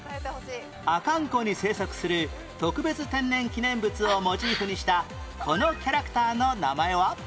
阿寒湖に生息する特別天然記念物をモチーフにしたこのキャラクターの名前は？